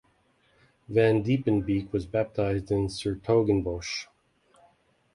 Van Diepenbeeck was baptised in 's-Hertogenbosch.